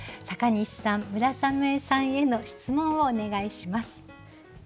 阪西さん村雨さんへの質問をお願いします。